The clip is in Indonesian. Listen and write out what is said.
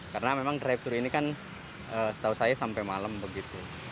karena memang drive thru ini kan setahu saya sampai malam begitu